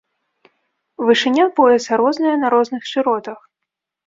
Вышыня пояса розная на розных шыротах.